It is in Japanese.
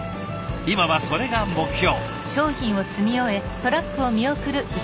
今はそれが目標。